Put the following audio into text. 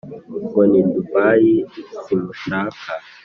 Ngo ni Dubai simushaka